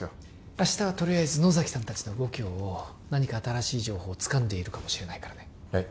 明日はとりあえず野崎さん達の動きを追おう何か新しい情報をつかんでいるかもしれないからねはい